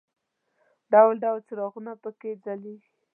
ډول ډول څراغونه په کې ځلېږي.